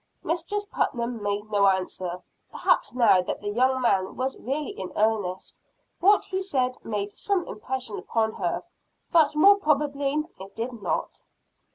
Mistress Putnam made no answer. Perhaps now that the young man was really in earnest, what he said made some impression upon her, but, more probably it did not.